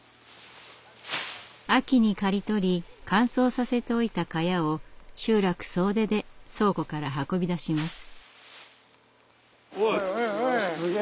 秋に刈り取り乾燥させておいた萱を集落総出で倉庫から運び出します。